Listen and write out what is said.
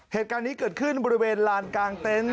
เหตุการณ์นี้เกิดขึ้นบริเวณลานกลางเต็นต์